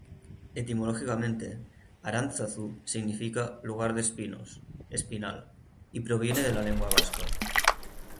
Etimológicamente Aránzazu significa 'lugar de espinos', 'espinal' y proviene de la lengua vasca.